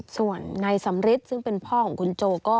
ส่วนนายสำริทซึ่งเป็นพ่อของคุณโจก็